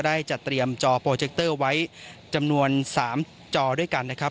ได้จัดเตรียมจอโปรเจคเตอร์ไว้จำนวน๓จอด้วยกันนะครับ